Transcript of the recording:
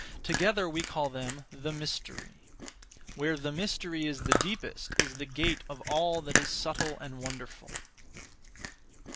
Together we call them the Mystery. Where the Mystery is the deepest is the gate of all that is subtle and wonderful.